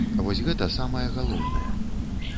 Вось гэта самае галоўнае.